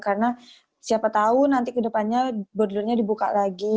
karena siapa tahu nanti ke depannya bodolnya dibuka lagi